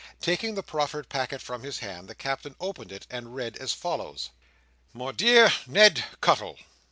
Taking the proffered packet from his hand, the Captain opened it and read as follows:— "'My dear Ned Cuttle.